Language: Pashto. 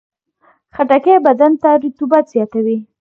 خټکی بدن ته رطوبت زیاتوي.